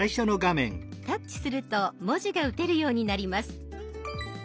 タッチすると文字が打てるようになります。